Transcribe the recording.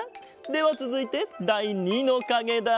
ではつづいてだい２のかげだ。